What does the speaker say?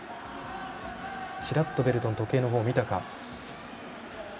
チラッとベルトン時計の方を見たか。